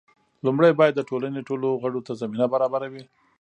لومړی باید د ټولنې ټولو غړو ته زمینه برابره وي.